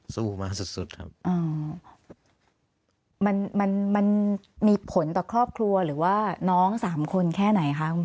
สู้มาสุดสุดครับมันมันมันมีผลต่อครอบครัวหรือว่าน้องสามคนแค่ไหนคะคุณพ่อ